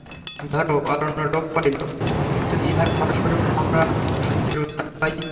ধর, অরণ্য লোপ পাইল, কিন্তু ইহার ফলস্বরূপ আমরা সূর্যের উত্তাপ পাই।